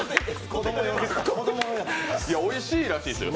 いや、おいしいらしいですよ